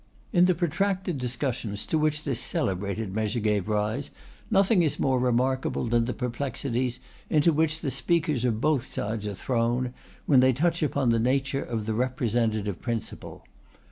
In the protracted discussions to which this celebrated measure gave rise, nothing is more remarkable than the perplexities into which the speakers of both sides are thrown, when they touch upon the nature of the representative principle.